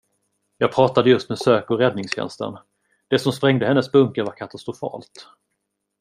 Jag pratade just med sök och räddningstjänsten, det som sprängde hennes bunker var katastrofalt.